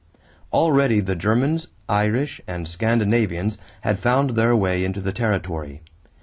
Already the Germans, Irish, and Scandinavians had found their way into the territory.